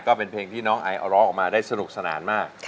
ก็เป็นเพลงที่น้องไอร้องออกมาได้สนุกสนานมาก